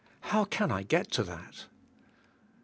How can I get to that? 2.